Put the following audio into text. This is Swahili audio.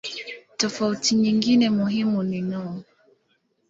Tofauti nyingine muhimu ni no.